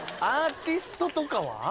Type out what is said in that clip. アーティストとかは？